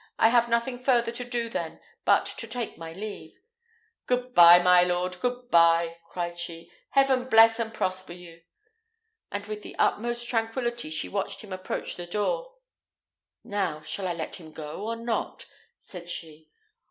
I have nothing further to do then but to take my leave." "Good bye, my lord; good bye!" cried she. "Heaven bless and prosper you!" and with the utmost tranquillity she watched him approach the door. "Now, shall I let him go or not?" said she.